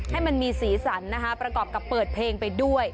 ให้มันมีสีสันนะคะประกอบกับเปิดเพลงไปด้วย